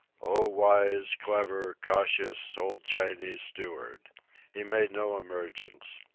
O wise, clever, cautious, old Chinese steward! He made no emergence.